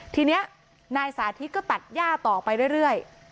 ทีนี้นายสาธิตก็ตัดย่าต่อไปเรื่อย